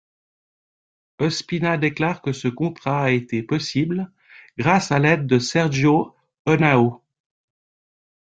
Ospina déclare que ce contrat a été possible, grâce à l'aide de Sergio Henao.